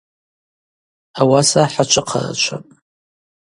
Ауаса хӏачвыхъарачвапӏ.